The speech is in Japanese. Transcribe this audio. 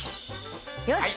よし。